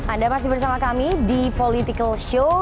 anda masih bersama kami di political show